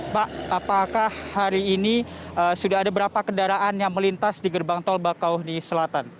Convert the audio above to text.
pak apakah hari ini sudah ada berapa kendaraan yang melintas di gerbang tol bakauheni selatan